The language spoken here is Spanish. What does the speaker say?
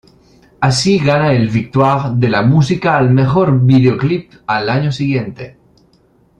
Así gana el Victoire de la música al mejor video-clip al año siguiente.